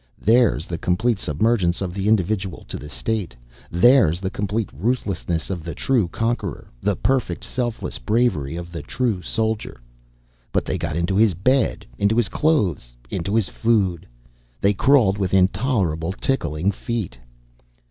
Theirs the complete submergence of the individual to the state, theirs the complete ruthlessness of the true conqueror, the perfect selfless bravery of the true soldier. But they got into his bed, into his clothes, into his food. They crawled with intolerable tickling feet.